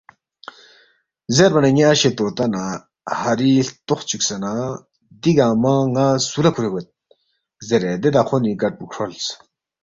زیربا نہ ن٘ی اشے طوطا نہ ہاری ہلتوخ چُوکسے نہ دی گنگمہ ن٘ا سُو لہ کُھورے گوید؟ زیرے دے دخونی گٹ پو کھرولس